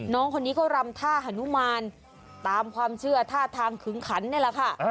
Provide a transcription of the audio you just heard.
น้องคนนี้ก็รำท่าฮานุมานตามความเชื่อท่าทางขึงขันนี่แหละค่ะ